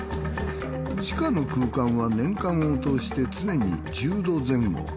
地下の空間は年間を通して常に１０℃前後。